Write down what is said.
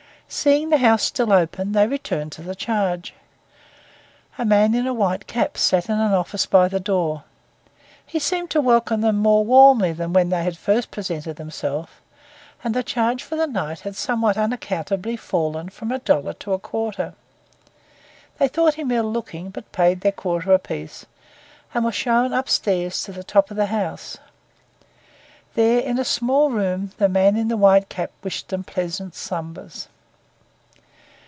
Seeing the house still open, they returned to the charge. A man in a white cap sat in an office by the door. He seemed to welcome them more warmly than when they had first presented themselves, and the charge for the night had somewhat unaccountably fallen from a dollar to a quarter. They thought him ill looking, but paid their quarter apiece, and were shown upstairs to the top of the house. There, in a small room, the man in the white cap wished them pleasant slumbers.